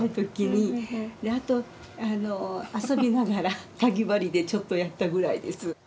あとあの遊びながらかぎ針でちょっとやったぐらいです。